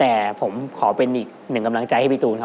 แล้ววันนี้ผมมีสิ่งหนึ่งนะครับเป็นตัวแทนกำลังใจจากผมเล็กน้อยครับ